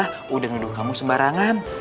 sudah duduk kamu sembarangan